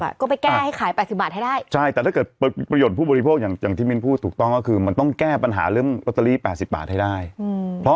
ถามเขาซื้อไหมเพราะที่เขาว่าเกจิอาจารย์ตายแล้วแหละ